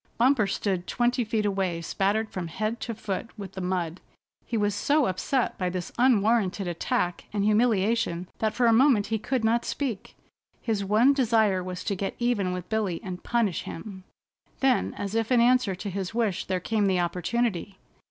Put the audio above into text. Bumper stood twenty feet away spattered from head to foot with the mud. He was so upset by this unwarranted attack and humiliation that for a moment he could not speak. His one desire was to get even with Billy, and punish him. Then as if in answer to his wish there came the opportunity.